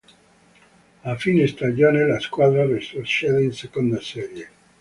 A fine stagione la squadra retrocede in seconda serie.